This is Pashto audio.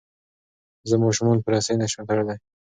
زه ماشومان په رسۍ نه شم تړلی.